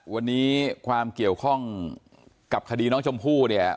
วันนี้ความเกี่ยวข้องกับคดีน้องชมพู่เนี่ย